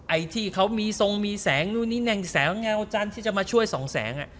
ไอ้ที่เขามีทรงมีแสงนู่นนี่แน่งแสงเงาจันทร์ที่จะมาช่วยสองแสง